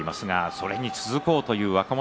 それに続こうという若元